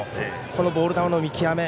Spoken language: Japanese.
このボール球の見極め